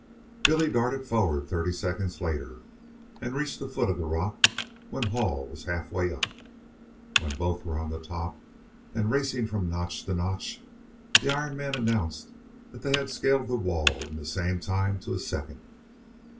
Billy darted forward thirty seconds later, and reached the foot of the rock when Hall was half way up. When both were on top and racing from notch to notch, the Iron Man announced that they had scaled the wall in the same time to a second.